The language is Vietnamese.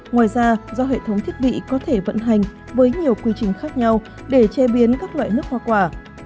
ngoài ra do hệ thống thiết bị có thể vận hành với nhiều quy trình khác nhau để chế biến các loại nước hoa quả